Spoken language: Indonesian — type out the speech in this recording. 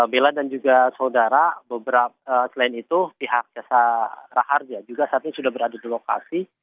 bella dan juga saudara selain itu pihak jasa raharja juga saat ini sudah berada di lokasi